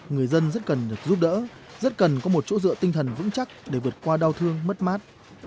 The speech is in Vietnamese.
người dân rất cần được giúp đỡ rất cần có một chỗ dựa tinh thần vững chắc để vượt qua đau thương mất mát